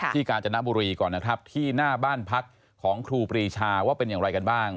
กาญจนบุรีก่อนนะครับที่หน้าบ้านพักของครูปรีชาว่าเป็นอย่างไรกันบ้าง